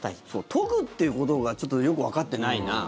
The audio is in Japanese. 研ぐっていうことがちょっとよくわかってないな。